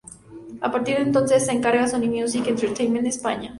A partir de entonces se encarga Sony Music Entertainment España.